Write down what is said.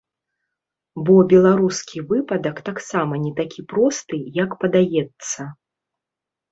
Бо беларускі выпадак таксама не такі просты, як падаецца.